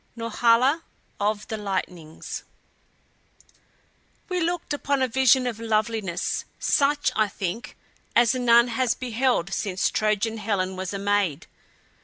NORHALA OF THE LIGHTNINGS We looked upon a vision of loveliness such, I think, as none has beheld since Trojan Helen was a maid.